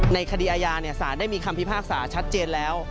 ในคดีอาญาสารได้มีคำพิพากษาชัดเจนแล้ว